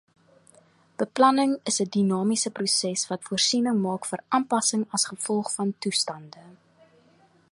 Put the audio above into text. Beplanning is 'n dinamiese proses wat voorsiening maak vir aanpassing as gevolg van toestande.